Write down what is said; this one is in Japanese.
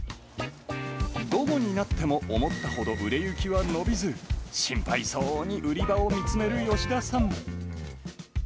午後になっても思ったほど売れ行きは伸びず、心配そうに売り場を見つめる吉田さん。